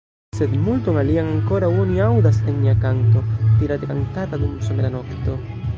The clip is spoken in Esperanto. Sed multon alian ankoraŭ oni aŭdas en nia kanto, tirate kantata dum somera nokto!